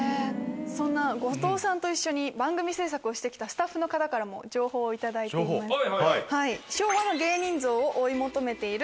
そんな後藤さんと一緒に番組制作をして来たスタッフの方からも情報を頂いています。